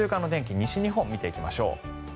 西日本を見ていきましょう。